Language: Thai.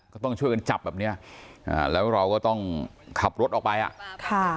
ก็ต้องช่วยกันจับแบบเนี่ยแล้วเราก็ต้องขับรถออกไป